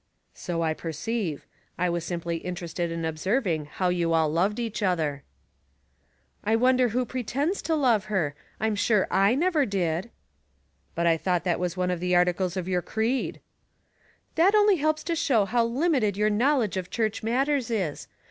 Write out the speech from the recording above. "So I perceive. I was simply interested in observing how you all loved each other." 136 Household Puzzles. " I wonder who pretends to love her ? I'm sure J never did." " But I thought that was one of the articles of your creed? "" That only helps to show how limited your knowledge of church matters is.